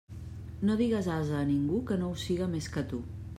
No digues ase a ningú que no ho siga més que tu.